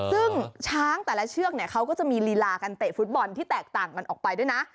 ซึ่งช้างแต่ละเชือกเนี่ยเขาก็จะมีลีลาการเตะฟุตบอลที่แตกต่างกันออกไปด้วยนะ